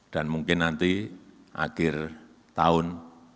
dan mungkin nanti akhir tahun